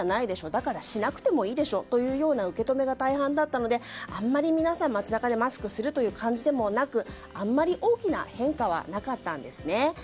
だからしなくてもいいでしょという受け止めが大半だったので、あまり皆さん街中でマスクをするということでもなくあまり大きな変化はなかったんですね。